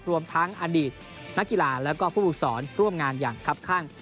รวมทั้งอดีตนักกีฬาแล้วก็ผู้ฝึกสอนร่วมงานอย่างครับข้าง